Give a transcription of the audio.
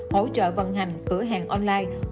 hỗ trợ vận hành cửa hàng online